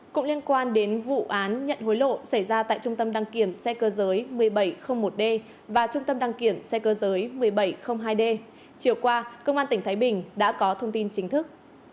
cũng liên quan đến vụ án nhận hối lộ xảy ra tại trung tâm đăng kiểm xe cơ giới một nghìn bảy trăm linh một d và trung tâm đăng kiểm xe cơ giới một nghìn bảy trăm linh hai d chiều qua công an tỉnh thái bình đã có thông tin chính thức